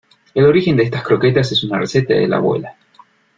El origen de estas croquetas es una receta de la abuela.